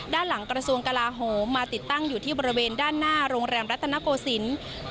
ด้านหลังกระทรวงกลาโหมมาติดตั้งอยู่ที่บริเวณด้านหน้าโรงแรมรัตนโกศิลป์